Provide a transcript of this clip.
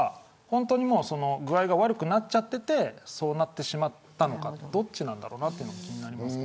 本当に具合が悪くなっちゃっていてそうなってしまったのかどっちなんだろうなと。